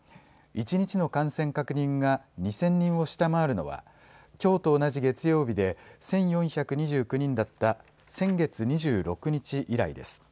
一日の感染確認が２０００人を下回るのはきょうと同じ月曜日で１４２９人だった先月２６日以来です。